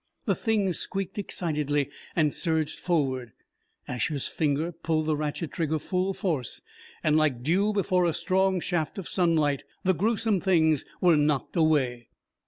The Things squeaked excitedly and surged forward. Asher's finger pulled the ratchet trigger full force, and like dew before a strong shaft of sunlight, the gruesome Things were knocked away.